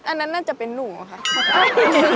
อันนั้นน่าจะเป็นหนูอะค่ะ